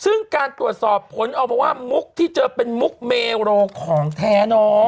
ซึ่งการตรวจสอบผลออกมาว่ามุกที่เจอเป็นมุกเมโรของแท้น้อง